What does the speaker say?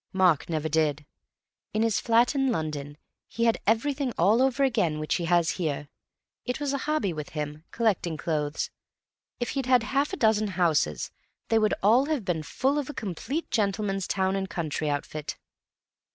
Mark never did. In his flat in London he had everything all over again which he has here. It was a hobby with him, collecting clothes. If he'd had half a dozen houses, they would all have been full of a complete gentleman's town and country outfit."